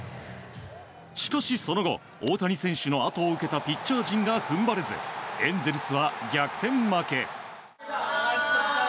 しかし、その後大谷選手のあとを受けたピッチャー陣が踏ん張れずエンゼルスは逆転負け。